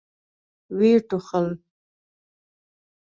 ويې ټوخل.